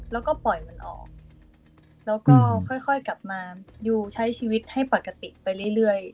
แล้วก็ปล่อยมันออกแล้วก็ค่อยกลับมาอยู่ใช้ชีวิตให้ปกติไปเรื่อย